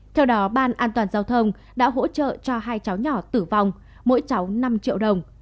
theo đó ban an toàn giao thông đã hỗ trợ cho hai cháu nhỏ tử vong mỗi cháu năm triệu đồng